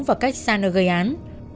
và cách xa nơi gây án